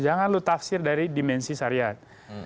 jangan lu tafsir dari dimensi syariat